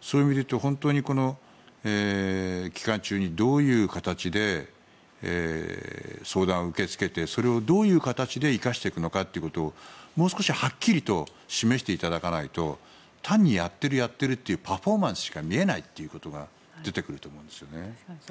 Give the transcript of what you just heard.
そういう意味で言うと本当にこの期間中にどういう形で相談を受け付けてそれをどういう形で生かしていくのかということをもう少しはっきりと示していただかないと単にやっているやっているというパフォーマンスしか見えないということが出てくると思うんですね。